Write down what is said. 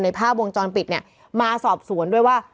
ภาพวงจรปิดเนี่ยมาสอบสวนด้วยว่า